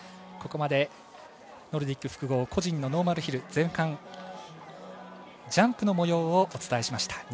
ここまでノルディック複合個人のノーマルヒル前半ジャンプのもようをお伝えしました。